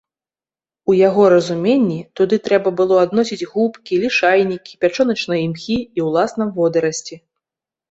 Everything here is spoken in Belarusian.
У яго разуменні туды трэба было адносіць губкі, лішайнікі, пячоначныя імхі і ўласна водарасці.